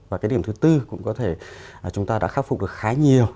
và cái điểm thứ tư cũng có thể chúng ta đã khắc phục được khá nhiều